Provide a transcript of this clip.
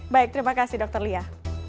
baik terima kasih dokter lia